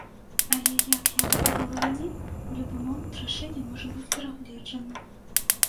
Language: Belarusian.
Але як я гаварыла раней, у любы момант рашэнне можа быць перагледжана.